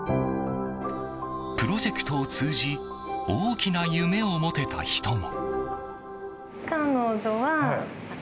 プロジェクトを通じ大きな夢を持てた人も。